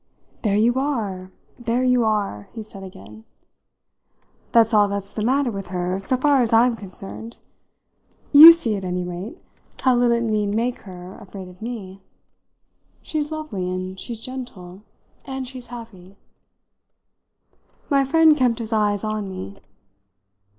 "There you are, there you are!" he said again. "That's all that's the matter with her so far as I'm concerned. You see, at any rate, how little it need make her afraid of me. She's lovely and she's gentle and she's happy." My friend kept his eyes on me.